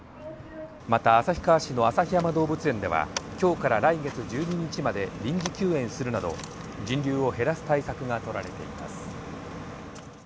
また旭川市の旭山動物園では、今日から来月１２日まで臨時休園するなど、人流を減らす対策が取られています。